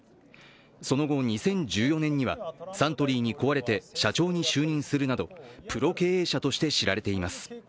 その後、２０１４年にはサントリーに請われて社長に就任するなどプロ経営者として知られています。